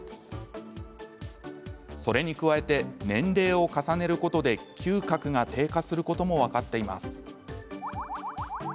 それに加えて年齢を重ねることで嗅覚が低下することも分かっています。